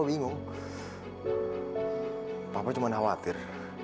kami gak sanggup kehilangan dia ya allah